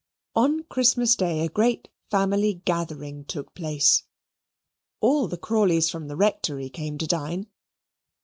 On Christmas Day a great family gathering took place. All the Crawleys from the Rectory came to dine.